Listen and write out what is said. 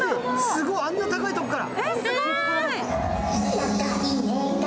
すごい、あんな高い所から。